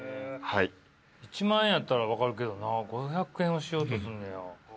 １万円やったら分かるけどな５００円をしようとすんねや。